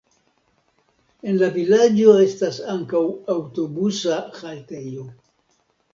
En la vilaĝo estas ankaŭ aŭtobusa haltejo.